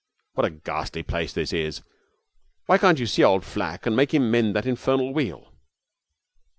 'What a ghastly place this is! Why can't you see old Flack and make him mend that infernal wheel?'